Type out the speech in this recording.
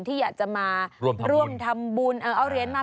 ที่อยากจะมาร่วมทำบุญเอาเหรียญมา